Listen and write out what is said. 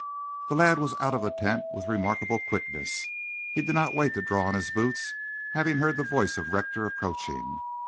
The lad was out of the tent with remarkable quickness. He did not wait to draw on his boots, having heard the voice of Rector approaching.